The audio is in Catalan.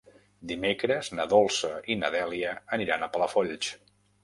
Dimecres na Dolça i na Dèlia aniran a Palafolls.